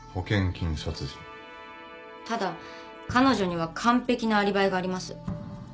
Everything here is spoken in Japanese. ただ彼女には完ぺきなアリバイがあります。